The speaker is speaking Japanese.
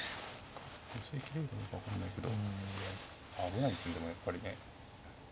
寄せきれるかどうか分かんないけど危ないですねでもやっぱりね。